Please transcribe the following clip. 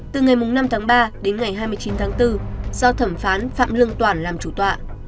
từ ngày năm tháng ba đến ngày hai mươi chín tháng bốn do thẩm phán phạm lương toản làm chủ tọa